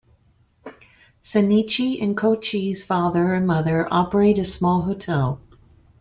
Shinichi and Koichi's father and mother operate a small hotel.